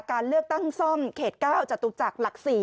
การเลือกตั้งซ่อมเขต๙จตุจักรหลัก๔